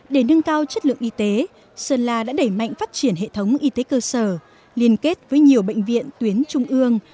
để nâng cao chất lượng y tế sơn la đã đẩy mạnh phát triển hệ thống y tế cơ sở liên kết với nhiều bệnh viện tuyến trung ương